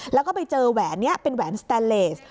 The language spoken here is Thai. แล้วก็ไปเจอแหวนนี้เป็นแหวนสแตนเลส